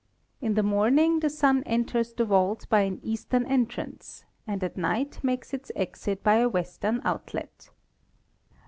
In the morning the Sun enters the vault by an eastern en trance and at night makes its exit by a western outlet.